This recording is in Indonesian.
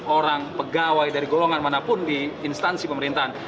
orang pegawai dari golongan manapun di instansi pemerintahan